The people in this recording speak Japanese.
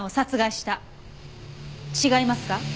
違いますか？